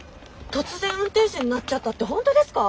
突然運転手になっちゃったって本当ですか？